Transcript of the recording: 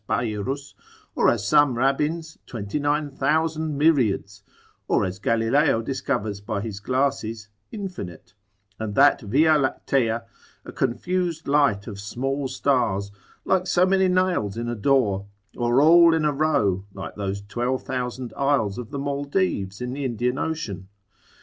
Bayerus; or as some Rabbins, 29,000 myriads; or as Galileo discovers by his glasses, infinite, and that via lactea, a confused light of small stars, like so many nails in a door: or all in a row, like those 12,000 isles of the Maldives in the Indian ocean?